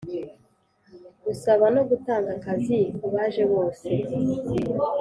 Gusaba no gutanga akazi kubaje bose